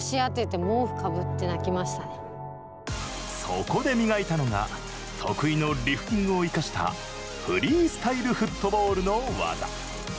そこで磨いたのが得意のリフティングを生かしたフリースタイルフットボールの技。